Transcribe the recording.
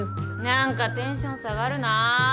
なんかテンション下がるなあ。